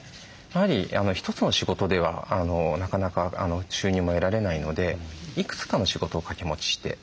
やはり一つの仕事ではなかなか収入も得られないのでいくつかの仕事を掛け持ちして。